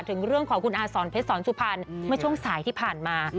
ถึงเรื่องของคุณอาสอนเพชรสอนสุพรรณเมื่อช่วงสายที่ผ่านมา